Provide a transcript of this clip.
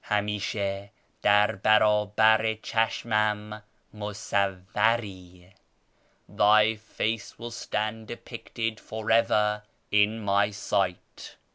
' Hamishe dar hardbar i chashmam nuc~savvari.' 'Thy face will stand depicted for ever in my sight.'